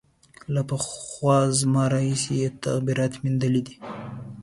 له پخوا زمانو راهیسې یې تغییرات میندلي دي.